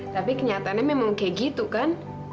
tapi kenyataannya memang kayak gitu kan